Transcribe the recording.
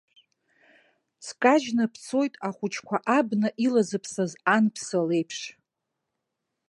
Скажьны бцоит, ахәыҷқәа абна илазыԥсаз анԥса леиԥш.